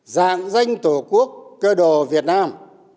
dạng danh tổ quốc cơ đồ việt nam